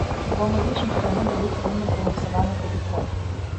Бо мы лічым, што яны даюць вельмі збалансаваны падыход.